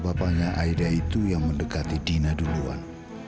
bapaknya aida itu yang mendekati dina duluan